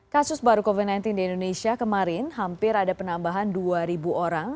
kasus baru covid sembilan belas di indonesia kemarin hampir ada penambahan dua orang